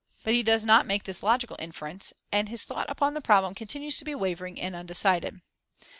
But he does not make this logical inference, and his thought upon the problem continues to be wavering and undecided.